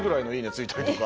付いたりとか。